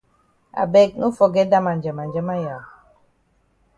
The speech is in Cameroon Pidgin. I beg no forget dat ma njamanjama ya.